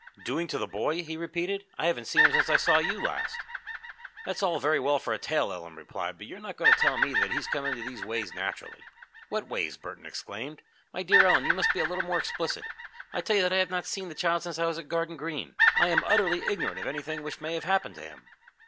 "Doing to the boy?" he repeated. "I haven't seen him since I saw you last." "That's all very well for a tale," Ellen replied, "but you're not going to tell me that he's come into these ways naturally." "What ways?" Burton exclaimed. "My dear Ellen, you must be a little more explicit. I tell you that I have not seen the child since I was at Garden Green. I am utterly ignorant of anything which may have happened to him."